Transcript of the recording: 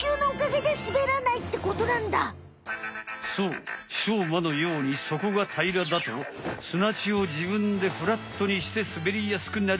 そうしょうまのようにそこがたいらだとすなちをじぶんでフラットにしてすべりやすくなる。